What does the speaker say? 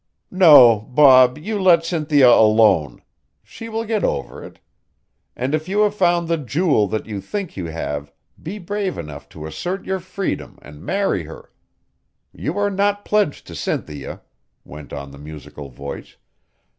"No, Bob, you let Cynthia alone. She will get over it. And if you have found the jewel that you think you have, be brave enough to assert your freedom and marry her. You are not pledged to Cynthia," went on the musical voice.